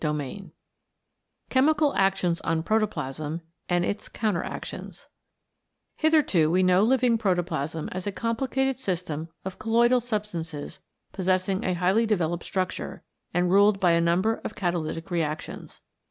124 CHAPTER IX CHEMICAL ACTIONS ON PROTOPLASM AND ITS COUNTER ACTIONS HITHERTO we know living protoplasm as a complicated system of colloidal substances possessing a highly developed structure, and ruled by a great number of catalytic reactions.